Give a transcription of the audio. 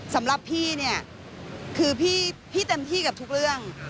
สำหรับพี่เนี่ยคือพี่เต็มที่กับทุกเรื่อง